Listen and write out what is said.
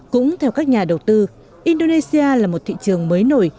cũng theo các nhà đầu tư indonesia là một thị trường mới nổi